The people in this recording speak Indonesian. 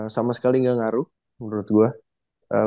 sama sekali nggak ngaruh menurut gue